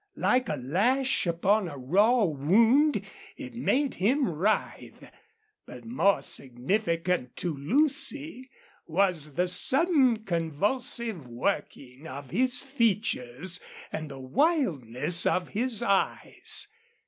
Like a lash upon a raw wound it made him writhe; but more significant to Lucy was the sudden convulsive working of his features and the wildness of his eyes.